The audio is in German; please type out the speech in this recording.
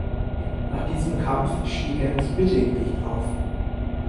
Nach diesem Kampf stieg er ins Mittelgewicht auf.